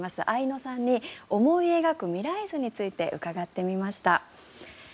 愛乃さんに思い描く未来図について伺ってみました。